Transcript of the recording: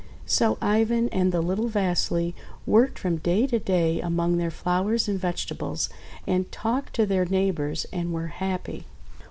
So Ivan and the little Vasily worked from day to day among their flowers and vegetables, and talked to their neighbours, and were happy.